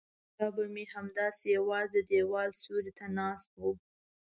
کاکا به مې همداسې یوازې د دیوال سیوري ته ناست و.